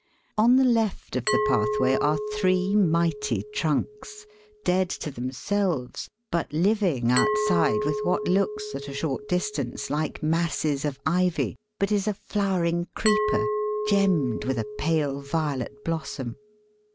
On the left of the pathway are three mighty trunks, dead to themselves, but living outside with whafr looks, at a short distance, like masses of ivy, but is a flowering creeper, gemmed with a pale violet blossom.